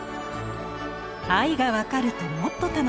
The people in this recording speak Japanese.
愛が分かるともっと楽しい。